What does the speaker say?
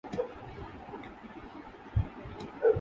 Guernsey